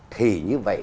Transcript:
thì như vậy